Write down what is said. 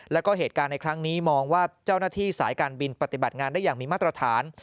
แล้วก็เหตุการณ์ในครั้งนี้มองว่าเจ้าหน้าที่สายการบินปฏิบัติงานได้อย่างมีมาตรฐาน